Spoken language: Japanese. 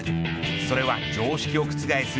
それは常識を覆す